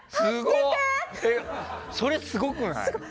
それ、すごくない？